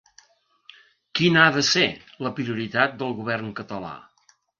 Quina ha de ser la prioritat del govern català?